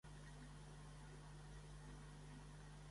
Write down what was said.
Es troba a les illes de Reunió, Maurici, Madagascar i Rodrigues.